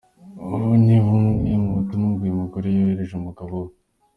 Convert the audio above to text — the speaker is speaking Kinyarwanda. Ubu ni bumwe mu butumwa ngo uyu mugore yoherereje umugabo we.